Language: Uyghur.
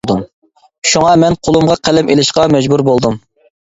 شۇڭا مەن قولۇمغا قەلەم ئېلىشقا مەجبۇر بولدۇم.